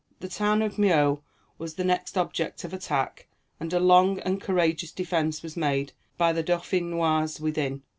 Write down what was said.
The town of Meaux was the next object of attack, and a long and courageous defence was made by the Dauphinois within.